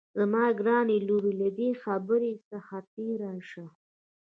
زما ګرانې لورې له دې خبرې څخه تېره شه